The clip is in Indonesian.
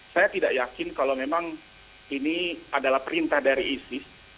saya tidak yakin kalau memang ini adalah perintah dari isis